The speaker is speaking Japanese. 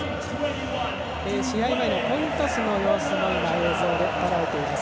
試合前のコイントスの様子をとらえています。